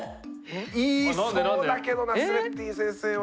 言いそうだけどナスレッディン先生は。